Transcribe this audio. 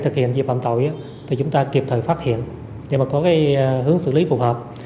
thì chúng ta kịp thời phát hiện để có hướng xử lý phù hợp